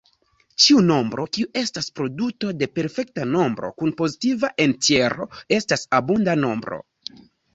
Ĉiu nombro kiu estas produto de perfekta nombro kun pozitiva entjero estas abunda nombro.